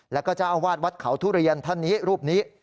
แล้วก็เจ้าอาวาสวัดเขาทุเรียนท่านนี้รูปนี้